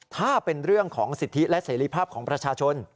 ถ้าเป็นเรื่องของสิทธิและเสรีภาพของประชาชน